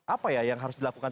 apa ya yang harus dilakukan